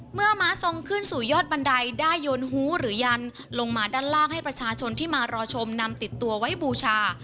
ม้าทรงขึ้นสู่ยอดบันไดได้โยนฮูหรือยันลงมาด้านล่างให้ประชาชนที่มารอชมนำติดตัวไว้บูชา